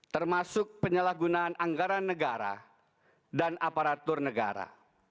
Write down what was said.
termasuk penyalahgunaan anggaran negara dan aparatur negara